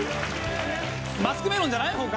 マスクメロンじゃない方か。